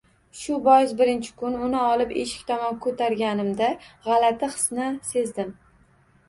Shu bois birinchi kun uni olib eshik tomon ko‘targanimda g‘alati hisni sezdim